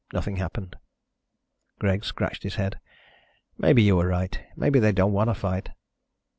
Nothing happened. Greg scratched his head. "Maybe you were right. Maybe they don't want to fight."